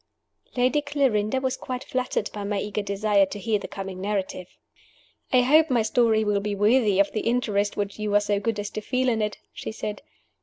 Lady Clarinda was quite flattered by my eager desire to hear the coming narrative. "I hope my story will be worthy of the interest which you are so good as to feel in it," she said.